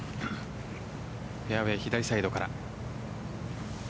フェアウェイ左サイドから。